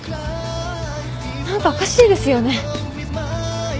何かおかしいですよね。